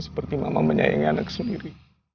seperti mama menyaingi anak sendiri